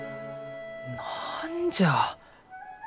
何じゃあ。